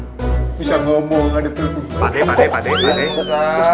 bisa ngomong ada perut